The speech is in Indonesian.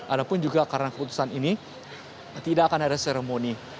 ada pun juga karena keputusan ini tidak akan ada seremoni